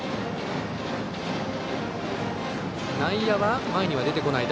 内野は前には出てこない。